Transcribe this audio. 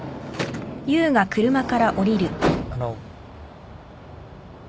あの。